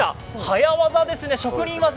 早業ですね、職人技。